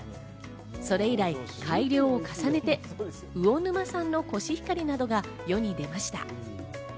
それ以来、改良を重ねて魚沼産のコシヒカリなどが世に出ました。